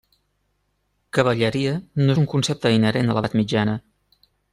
Cavalleria no és un concepte inherent a l'edat mitjana.